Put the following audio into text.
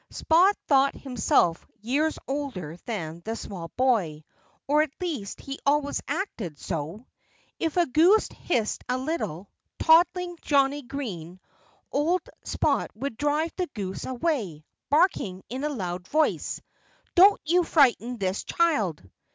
Spot thought himself years older than the small boy; or at least he always acted so. If a goose hissed at little, toddling Johnnie Green, old Spot would drive the goose away, barking in a loud voice, "Don't you frighten this child!"